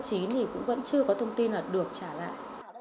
thì cũng vẫn chưa có thông tin nào được trả lại